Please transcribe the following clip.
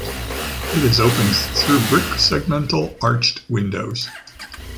It is opened through brick segmental arched windows.